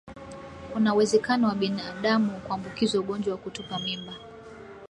Kuna uwezekano wa binadamu kuambukizwa ugonjwa wa kutupa mimba